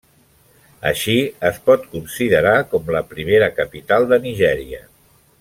Així, es pot considerar com la primera capital de Nigèria.